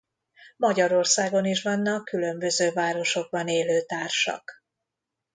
Magyarországon is vannak különböző városokban élő társak.